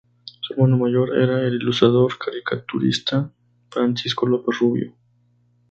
Su hermano mayor era el ilustrador y caricaturista Francisco López Rubio.